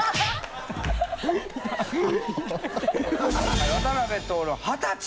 はい渡辺徹２０歳。